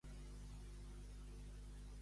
Quina desgràcia, pobra gent!